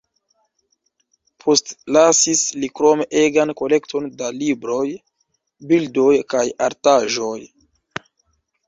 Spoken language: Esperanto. Postlasis li krome egan kolekton da libroj, bildoj kaj artaĵoj.